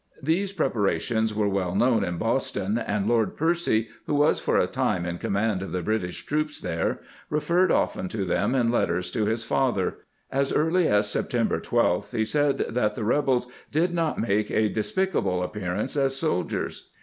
These preparations were well known in Boston, and Lord Percy, who was for a time in command of the British troops there, referred often to them in letters to his father ; as early as September 12th he said that the rebels " did not make a despica ble appearance as soldiers."